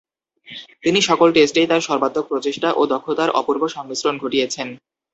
তিনি সকল টেস্টেই তাঁর সর্বাত্মক প্রচেষ্টা ও দক্ষতার অপূর্ব সংমিশ্রণ ঘটিয়েছেন।